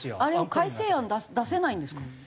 あれ改正案出せないんですか？